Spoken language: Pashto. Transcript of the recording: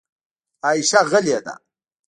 عایشه غلې ده .